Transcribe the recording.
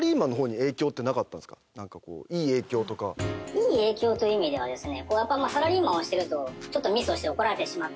いい影響という意味ではですね。